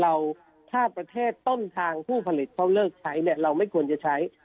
ถ้าประเทศต้นทางผู้ผลิตเขาเลิกใช้เนี่ยเราไม่ควรจะใช้